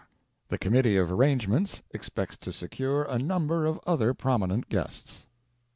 The Committee of Arrangements expects to secure a number of other prominent guests.